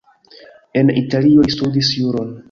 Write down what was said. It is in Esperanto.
En Italio li studis juron.